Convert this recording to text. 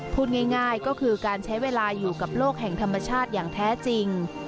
พูดง่ายก็คือการใช้เวลาอยู่กับโลกแห่งธรรมชาติอย่างแท้จริง